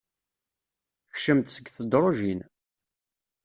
Kcem-d seg tedrujin.